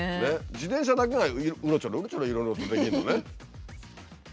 自転車だけがうろちょろうろちょろいろいろとできるのね。